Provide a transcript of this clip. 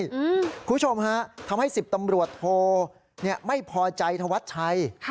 คุณผู้ชมฮะทำให้๑๐ตำรวจโทไม่พอใจธวัชชัย